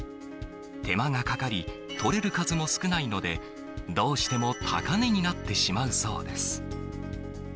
手間がかかり、取れる数も少ないので、どうしても高値になってしまうそうです。